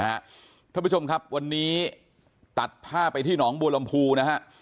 นะฮะท่านผู้ชมครับวันนี้ตัดภาพไปที่หนองบูรรมภูนะฮะ